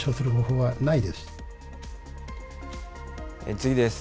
次です。